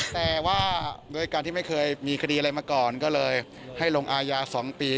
แต่ว่าโดยการที่ไม่เคยมีคดีอะไรมาก่อนก็เลยให้ลงอายา๒ปี